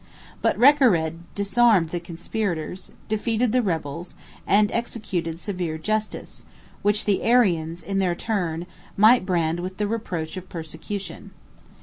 But Recared disarmed the conspirators, defeated the rebels, and executed severe justice; which the Arians, in their turn, might brand with the reproach of persecution.